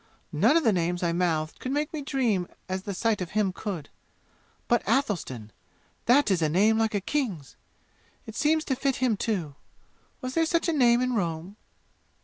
None of the names I mouthed could make me dream as the sight of him could. But, Athelstan! That is a name like a king's! It seems to fit him, too! Was there such a name, in Rome?"